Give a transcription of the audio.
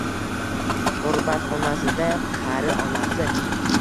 G’urbatxonasida — Qari onasi.